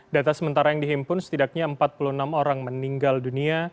data sementara yang dihimpun setidaknya empat puluh enam orang meninggal dunia